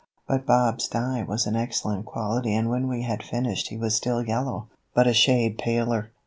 But Bob's dye was an excellent quality and when we had finished he was still yellow, but a shade paler.